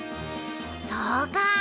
そうか。